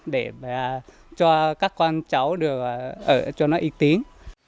để cho các con cháu được ở cho nó ít tiếng